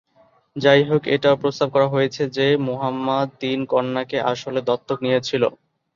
যাইহোক, এটাও প্রস্তাব করা হয়েছে যে মুহাম্মাদ তিন কন্যাকে আসলে দত্তক নিয়েছিল।